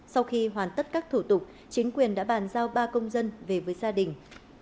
sau khi hoàn tất các thủ tục chính quyền đã bàn giao ba công dân về với gia đình